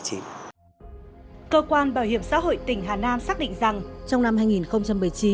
cơ quan bảo hiểm xã hội tỉnh hà nam xác định rằng trong năm hai nghìn một mươi chín